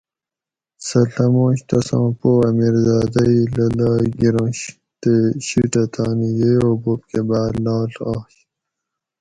سہ ڷمنش تساں پو امیرزادہ ئ للالۓ گرنش تے شیٹہ تانی یئ او بوب کہ باۤر لاڷ آش